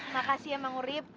makasih ya bang urip